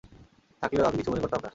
থাকলেও আমি কিছু মনে করতাম নাহ।